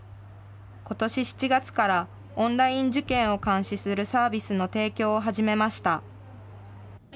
ことし７月からオンライン受検を監視するサービスの提供を始めました。